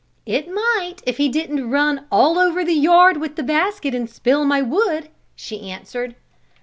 "It might, if he didn't run all over the yard with the basket, and spill my wood," she answered.